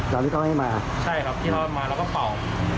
ตอนที่เขาให้มาใช่ครับที่เรามาแล้วก็เป่า